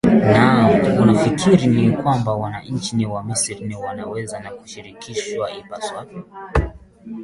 naam unafikiri kwamba wananchi wa misri wataweza kushirikishwa inavyopaswa